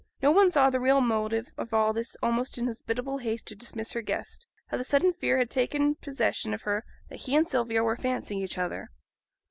No one saw the real motive of all this almost inhospitable haste to dismiss her guest, how the sudden fear had taken possession of her that he and Sylvia were 'fancying each other'.